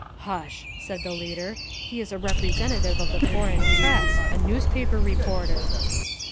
"Hush," said the leader, "he is a representative of the foreign press, a newspaper reporter."